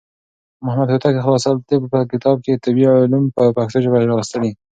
محمد هوتک د خلاصة الطب په کتاب کې طبي علوم په پښتو ژبه راوستلي.